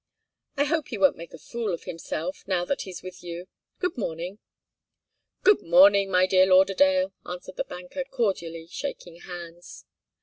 I hope he won't make a fool of himself, now that he's with you. Good morning." "Good morning, my dear Lauderdale," answered the banker, cordially shaking hands.